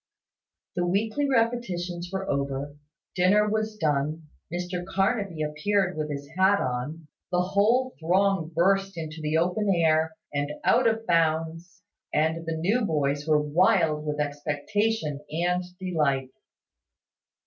The weekly repetitions were over, dinner was done, Mr Carnaby appeared with his hat on, the whole throng burst into the open air, and out of bounds, and the new boys were wild with expectation and delight.